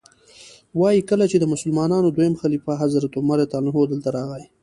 وایي کله چې د مسلمانانو دویم خلیفه حضرت عمر رضی الله عنه دلته راغی.